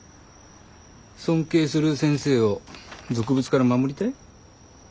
尊敬する先生を俗物から守りたい？